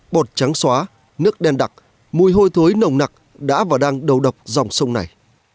bột trắng xóa nước đen đặc mùi hôi thối nồng nặc đã và đang đầu độc dòng sông này